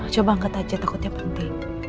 coba angkat aja takutnya penting